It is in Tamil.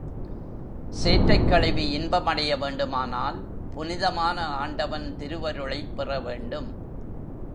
சேற்றைக் கழுவி இன்பம் அடைய வேண்டுமானால் புனிதமான ஆண்டவன் திருவருளைப் பெற வேண்டும்.